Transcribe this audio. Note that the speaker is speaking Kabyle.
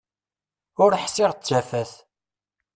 Ur ḥsiɣ d tafat.